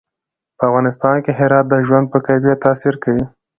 په افغانستان کې هرات د ژوند په کیفیت تاثیر کوي.